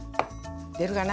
出るかな？